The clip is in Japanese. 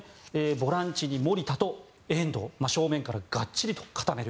ボランチに守田と遠藤正面からがっちりと固める。